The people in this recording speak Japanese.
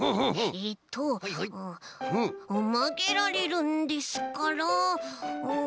えっとまげられるんですからん。